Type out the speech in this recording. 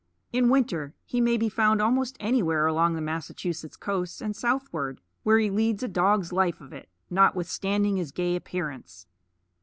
In winter he may be found almost anywhere along the Massachusetts coast and southward, where he leads a dog's life of it, notwithstanding his gay appearance.